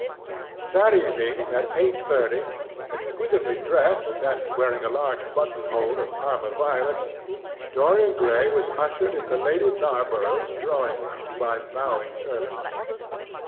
That evening, at eight thirty, exquisitely dressed and wearing a large button hole of Parma violets, Dorian Gray was ushered into Lady Narborough's drawing room by bowing servants.